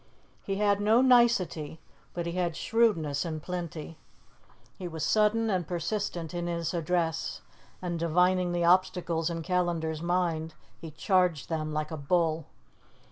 He had no nicety, but he had shrewdness in plenty. He was sudden and persistent in his address, and divining the obstacles in Callandar's mind, he charged them like a bull.